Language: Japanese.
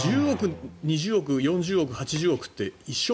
１０億、２０億４０億、８０贈って一緒？